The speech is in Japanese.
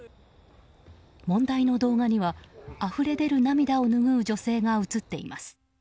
問題の動画には、あふれ出る涙を拭う女性が映っています。